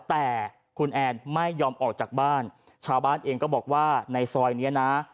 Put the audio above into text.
แต่คุณแอนไม่ยอมออกจากบ้านชาวบ้านเองก็บอกว่าในซอยเนี้ยนะ